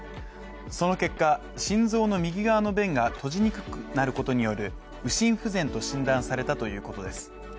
その結果、心臓の右側の弁が閉じにくくなることによる右心不全と診断されたということです。